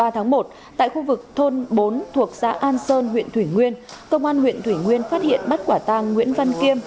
ba tháng một tại khu vực thôn bốn thuộc xã an sơn huyện thủy nguyên công an huyện thủy nguyên phát hiện bắt quả tàng nguyễn văn kiêm